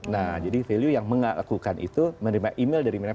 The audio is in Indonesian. nah jadi value yang melakukan itu menerima email dari mereka